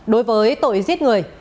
đối với tội giết người